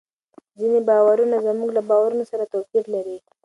ځینې باورونه زموږ له باورونو سره توپیر لري.